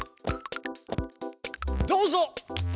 どうぞ！